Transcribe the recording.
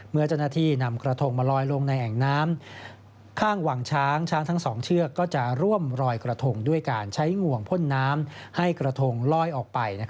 เมื่อจณาที่นำกระทงมาลอยลงในแอ่งน้ำ